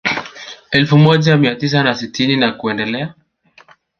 Elfu moja mia tisa na sitini na kuendelea